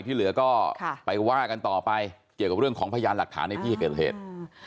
ที่เหลือก็ไปว่ากันต่อไปเกี่ยวกับเรื่องของพยานหลักฐานในที่เกิดเหตุอืม